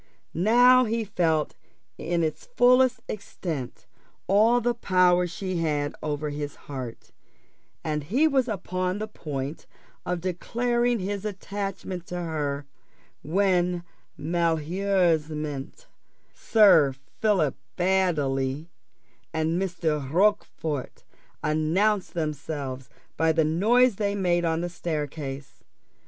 Now he felt in its fullest extent all the power she had over his heart, and he was upon the point of declaring his attachment to her, when malheureusement Sir Philip Baddely and Mr. Rochfort announced themselves by the noise they made on the staircase.